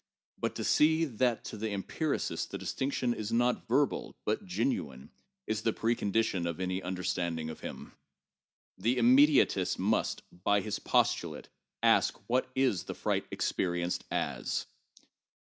But to see that to the empiricist this distinction is not verbal, but real, is the precondition of any understanding of him. The immediatist must, by his postulate, ask what is the fright experienced as.